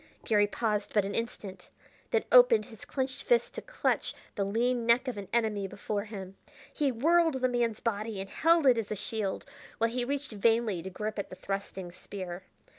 Garry paused but an instant, then opened his clenched fists to clutch the lean neck of an enemy before him. He whirled the man's body and held it as a shield while he reached vainly to grip at the thrusting spear.